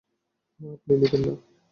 না, আপনি নিবেন না।